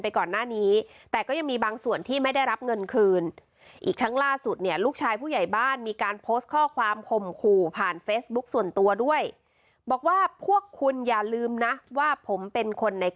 ไปก่อนหน้านี้แต่ก็ยังมีบใส่วนที่ไม่ได้รับเงินคืน